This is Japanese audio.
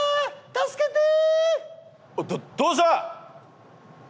助けてー！